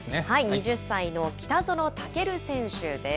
２０歳の北園丈琉選手です。